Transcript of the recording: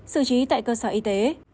sự trí tại cơ sở y tế